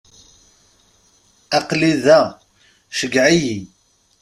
Aql-i da, ceggeɛ-iyi.